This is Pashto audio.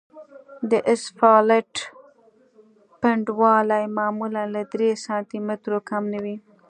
د اسفالټ پنډوالی معمولاً له درې سانتي مترو کم نه وي